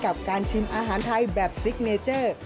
กับการชิมอาหารไทยแบบซิกเนเจอร์